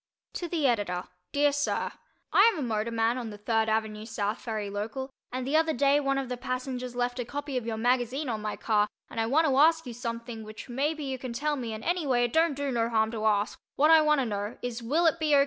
To the Editor: Dear Sir: I am a motorman on the Third Ave. South Ferry local, and the other day one of the passengers left a copy of your magazine on my car and I want to ask you something which maybe you can tell me and anyway it don't do no harm to ask what I want to know is will it be O.